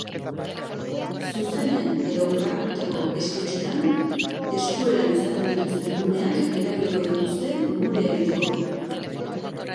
Zuzenean edo grabatutako esketxetan, eskueran izaten dituzten guneak erabiliko dituzte umorea egiteko.